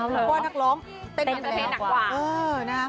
เพราะว่านักร้องเต้นทำให้หนักความ